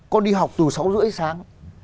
con đi học từ sáu h ba mươi sáng